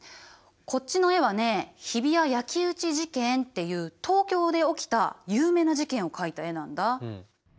こっちの絵はね日比谷焼き打ち事件っていう東京で起きた有名な事件を描いた絵なんだ。